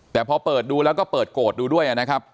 แต่พอเปิดดูแล้วก็เปิดโกรธดูด้วยนะครับ